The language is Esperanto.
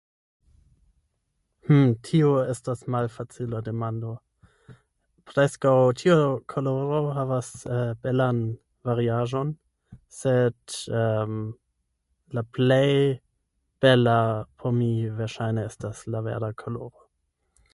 Hm, tio estas malfacila demando… Preskaŭ ĉiu koloro havas eh belan variaĵon, sed ehm la plej bela por mi verŝajne estas la verda koloro.